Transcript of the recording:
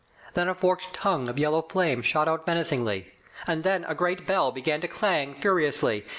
Then a forked tongue of yellow flame shot out menacingly. And then a great bell began to clang furiously.